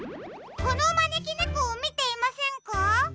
このまねきねこをみていませんか？